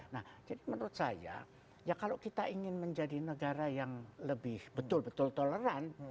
nah jadi menurut saya ya kalau kita ingin menjadi negara yang lebih betul betul toleran